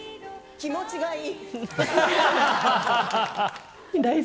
気持ちがいい。